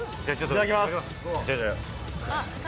いただきます。